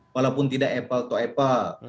walaupun tidak apple to apple